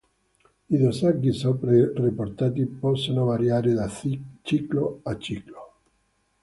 I dosaggi sopra riportati possono variare da ciclo a ciclo.